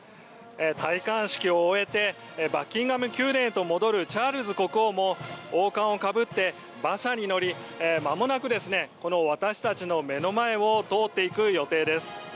戴冠式を終えてバッキンガム宮殿へと戻るチャールズ国王も王冠をかぶって馬車に乗りまもなく私たちの目の前を通っていく予定です。